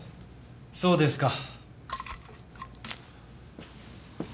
そうですか。